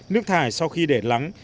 nước thải sau khi để lắng